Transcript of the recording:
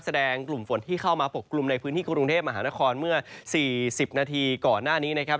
กลุ่มฝนที่เข้ามาปกกลุ่มในพื้นที่กรุงเทพมหานครเมื่อ๔๐นาทีก่อนหน้านี้นะครับ